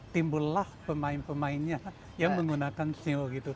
timbullah pemain pemainnya yang menggunakan senyum